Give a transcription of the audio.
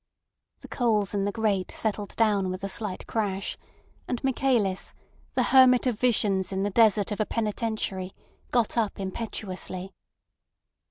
The coals in the grate settled down with a slight crash; and Michaelis, the hermit of visions in the desert of a penitentiary, got up impetuously.